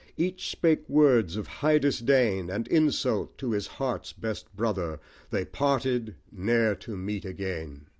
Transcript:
Each spake words of high disdain And insult to his heart's best brother They parted ne'er to meet again!